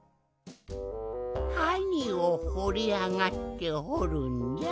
はにをほりあがってほるんじゃ？